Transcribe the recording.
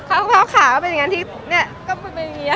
อ่ะฟรุ้คภาพขาคือเป็นอย่างงี้เหรอค่ะ